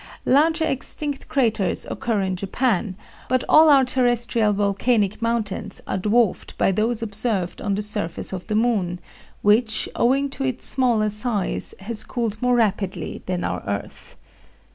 Larger extinct craters occur in Japan; but all our terrestrial volcanic mountains are dwarfed by those observed on the surface of the moon, which, owing to its smaller size, has cooled more rapidly than our earth.